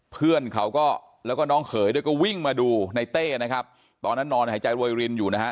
เพื่อนเขาก็แล้วก็น้องเขยด้วยก็วิ่งมาดูในเต้นะครับตอนนั้นนอนหายใจรวยรินอยู่นะฮะ